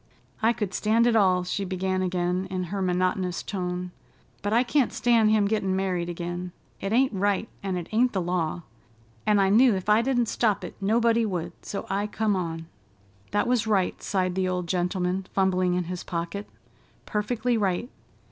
"I could stand it all," she began again in her monotonous tone, "but I can't stand him gettin' married again. It ain't right, and it ain't the law, an' I knew ef I didn't stop it, nobody would, so I come on." "That was right," sighed the old gentleman, fumbling in his pocket, "perfectly right.